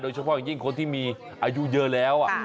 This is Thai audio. เฉพาะอย่างยิ่งคนที่มีอายุเยอะแล้ว